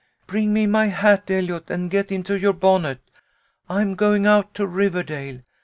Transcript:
" Bring me my hat, Eliot, and get into your bonnet. I'm going out to Riverdale.